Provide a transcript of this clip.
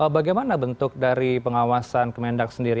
bagaimana bentuk dari pengawasan kemendak sendiri